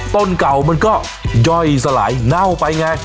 ต้นเก่ามันก็ย่อยสลายเน่าไปไง